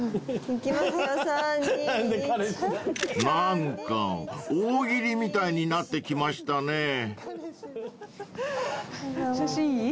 ［何か大喜利みたいになってきましたね］